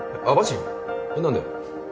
何で？